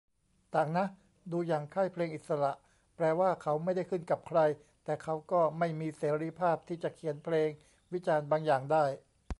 ต่างนะ ดูอย่างค่ายเพลงอิสระ แปลว่าเขาไม่ได้ขึ้นกับใคร แต่เขาก็ไม่มีเสรีภาพที่จะเขียนเพลงวิจารณ์บางอย่างได้